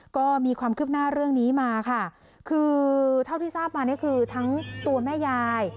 ก็มีความคืบหน้าเรื่องนี้มาค่ะคือเท่าที่ทราบมาเนี่ยคือทั้งตัวแม่ยาย